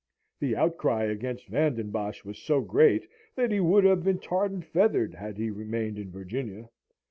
The outcry against Van den Bosch was so great that he would have been tarred and feathered, had he remained in Virginia.